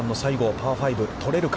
パー５、取れるか。